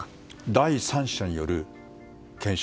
第三者による検証